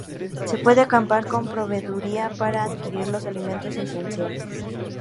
Se puede acampar con proveeduría para adquirir los alimentos esenciales.